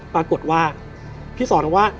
ปรากฏว่าพี่สอนบอกว่า